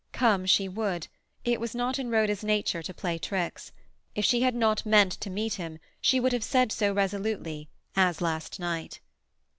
Come she would; it was not in Rhoda's nature to play tricks; if she had not meant to meet him she would have said so resolutely, as last night.